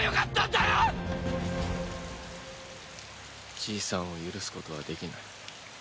ザァーじいさんを許すことはできない。